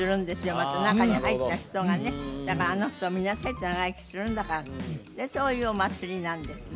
また中に入った人がね「だからあの人を見なさい長生きするんだから」とそういうお祭りなんですね